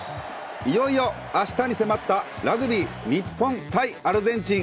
いよいよあしたに迫ったラグビー日本対アルゼンチン。